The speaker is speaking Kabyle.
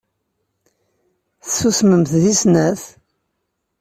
I tessusmemt deg snat?